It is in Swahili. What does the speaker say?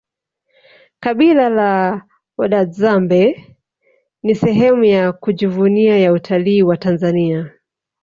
kabila la wadadzabe ni sehemu ya kujivunia ya utalii wa tanzania